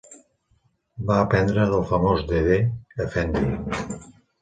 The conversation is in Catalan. Va aprendre del famós Dede Efendi.